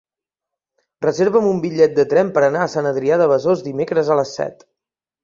Reserva'm un bitllet de tren per anar a Sant Adrià de Besòs dimecres a les set.